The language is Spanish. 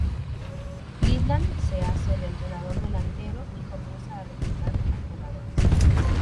Cleveland se hace el entrenador delantero y comienza a reclutar a jugadores.